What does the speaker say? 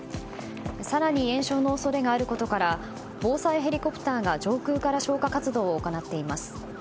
更に延焼の恐れがあることから防災ヘリコプターが上空から消火活動を行っています。